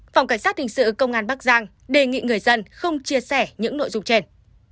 phòng cảnh sát hình sự công an bắc giang đề nghị người dân không chia sẻ những nội dung trên